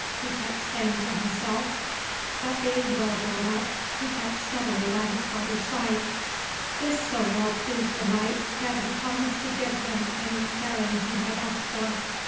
he kept saying to himself; but being well brought up, he kept steadily by his father's side. This so well pleased the knight, that he promised to give him any fairing he might ask for.